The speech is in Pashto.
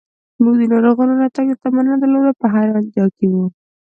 موږ د ناروغانو راتګ ته تمه نه درلوده، په حیرانتیا کې و.